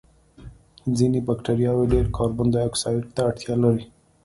ځینې بکټریاوې ډېر کاربن دای اکسایډ ته اړتیا لري.